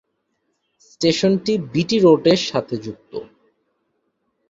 স্টেশনটি বিটি রোডের সাথে যুক্ত।